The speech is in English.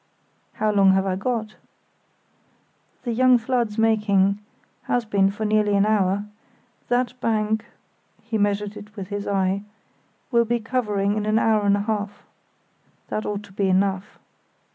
"How long have I got?" "The young flood's making—has been for nearly an hour—that bank (he measured it with his eye) will be covering in an hour and a half." "That ought to be enough."